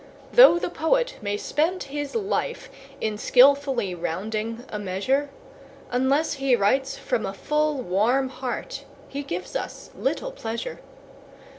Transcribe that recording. Though the poet may spend his life in skilfully rounding a measure, Unless he writes from a full, warm heart he gives us little pleasure.